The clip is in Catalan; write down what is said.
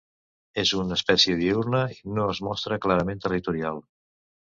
És una espècie diürna i no es mostra clarament territorial.